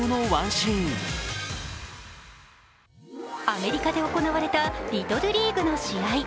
アメリカで行われたリトルリーグの試合。